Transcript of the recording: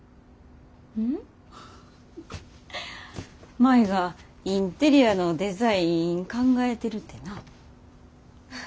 舞がインテリアのデザイン考えてるてな。